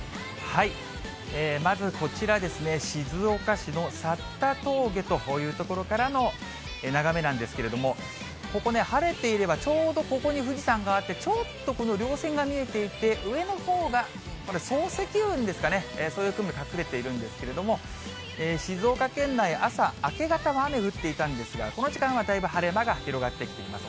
まずこちら、静岡市のさった峠という所からの眺めなんですけれども、ここ、晴れていればちょうどここに富士山があって、ちょっと、このりょう線が見えていて、上のほうが層積雲ですかね、そういう雲、隠れているんですけれども、静岡県内、朝、明け方は雨降っていたんですが、この時間は、だいぶ晴れ間が広がってきています。